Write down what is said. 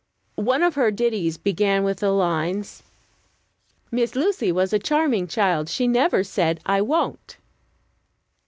One of her ditties began with the lines: "Miss Lucy was a charming child; She never said, 'I won't.'"